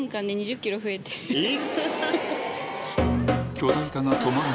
えっ？